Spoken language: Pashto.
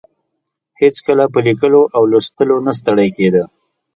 هېڅکله په لیکلو او لوستلو نه ستړې کیده.